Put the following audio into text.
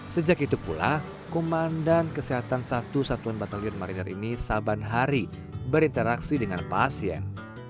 sejak itu pula komandan kesehatan satu satuan batalion mariner ini saban hari berinteraksi dengan pasien